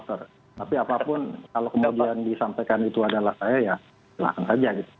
tapi apapun kalau kemudian disampaikan itu adalah saya ya silakan saja gitu